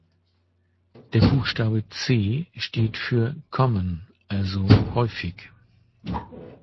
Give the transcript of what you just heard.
Der Buchstabe "C" steht für „Common“, also „häufig“.